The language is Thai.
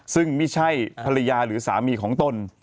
ซึ่งไม่ใช่ภรรยาหรือสามีของตน